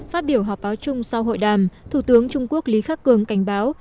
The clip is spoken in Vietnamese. phát biểu họp báo chung sau hội đàm thủ tướng trung quốc lý khắc cường cảnh báo